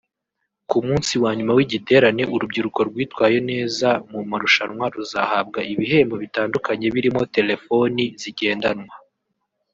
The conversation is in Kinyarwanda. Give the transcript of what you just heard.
Ku munsi wa nyuma w’igiterane urubyiruko rwitwaye neza mu marushanwa ruzahabwa ibihembo bitandukanye birimo telefoni zigendanwa